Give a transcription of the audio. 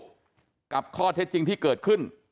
กับข้อเท็จจริงที่เกิดขึ้น